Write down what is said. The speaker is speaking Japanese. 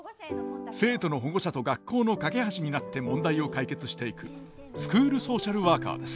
生徒の保護者と学校の架け橋になって問題を解決していくスクールソーシャルワーカーです。